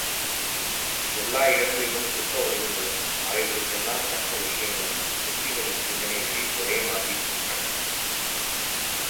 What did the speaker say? எல்லா இடங்களிலும் சிற்ப வடிவங்களும் அவைகளுக்கெல்லாம் தக்க விஷயங்களும் சிற்பிகளின் சிந்தனைகளில் உதயமாகியிருக்கின்றன.